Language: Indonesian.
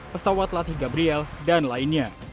pesawat latih gabriel dan lainnya